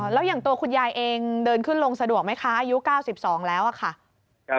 แล้วอย่างตัวคุณยายเองเดินขึ้นลงสะดวกไหมคะอายุ๙๒แล้วอะค่ะ